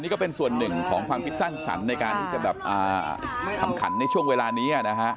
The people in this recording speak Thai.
ก็เป็นส่วนหนึ่งของความผิดสร้างสรรค์ในการทำขันในช่วงเวลานี้